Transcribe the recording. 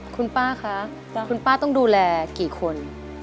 คุณป้าคะคุณป้าต้องดูแลกี่คน